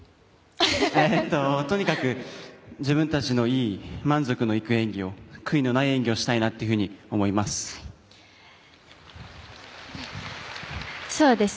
とにかく自分たちのいい満足のいく演技を悔いのない演技をしたいと思います。